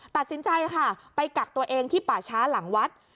ตัดสินใจค่ะไปกักตัวเองที่ป่าช้าหลังวัด